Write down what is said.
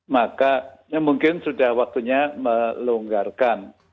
maka mungkin sudah waktunya melonggarkan